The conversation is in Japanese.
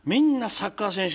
サッカー選手。